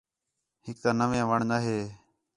ہِک تا نَوے وَݨ نا ہِے